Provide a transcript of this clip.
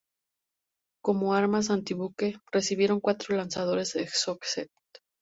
Como armas antibuque recibieron cuatro lanzadores Exocet.